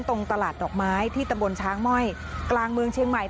ตรงตลาดดอกไม้ที่ตำบลช้างม่อยกลางเมืองเชียงใหม่